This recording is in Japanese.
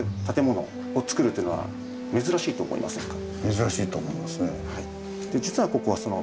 珍しいと思いますね。